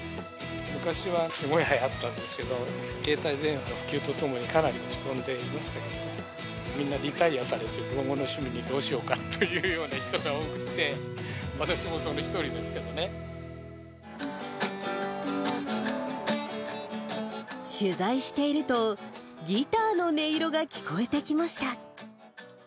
昔はすごいはやったんですけど、携帯電話の普及とともに、かなり落ち込んできましたけど、みんなリタイアされて、老後の趣味にどうしようかというような人が多くて、取材していると、ギターの音色が聞こえてきました。